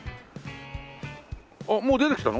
あっもう出てきたの？